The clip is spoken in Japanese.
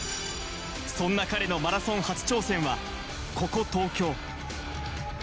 そんな彼のマラソン初挑戦はここ、東京。